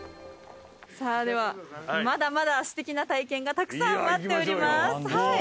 さあではまだまだすてきな体験がたくさん待っております。